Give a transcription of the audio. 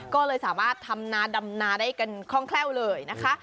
ก็เลยสามารถทำนาดำนาได้กันคล่องแคล่วเลยนะคะ